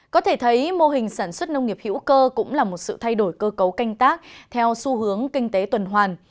có thể thấy mô hình sản xuất nông nghiệp hữu cơ cũng là một sự thay đổi cơ cấu canh tác theo xu hướng kinh tế tuần hoàn